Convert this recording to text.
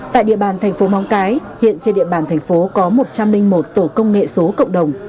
tại địa bàn thành phố móng cái hiện trên địa bàn thành phố có một trăm linh một tổ công nghệ số cộng đồng